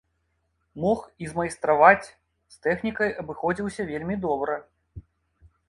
Мог і змайстраваць, з тэхнікай абыходзіўся вельмі добра.